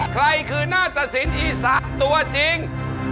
ใครคือหน้าตะสินอีสานตัวจริง